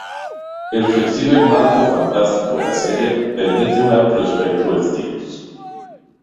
El flexible marco fantástico de la serie permite un amplio espectro de estilos.